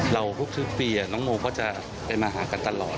ทุกปีน้องโมก็จะไปมาหากันตลอด